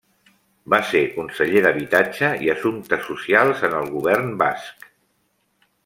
Va ser Conseller d'Habitatge i Assumptes Socials en el Govern Basc.